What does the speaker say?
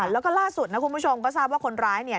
แล้วก็ล่าสุดนะคุณผู้ชมก็ทราบว่าคนร้ายเนี่ย